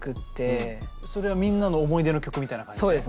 それはみんなの思い出の曲みたいな感じで？